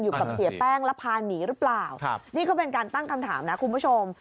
เสียแป้งแล้วพาหนีหรือเปล่านี่ก็เป็นการตั้งคำถามนะคุณผู้ชม